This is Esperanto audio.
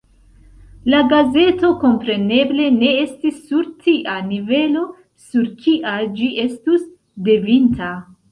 La gazeto, kompreneble, ne estis sur tia nivelo, sur kia ĝi estus devinta.